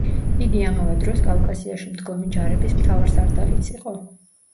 იგი ამავე დროს კავკასიაში მდგომი ჯარების მთავარსარდალიც იყო.